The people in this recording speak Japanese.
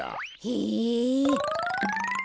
へえ。